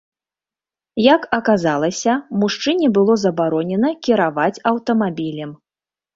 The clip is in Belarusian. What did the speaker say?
Як аказалася, мужчыне было забаронена кіраваць аўтамабілем.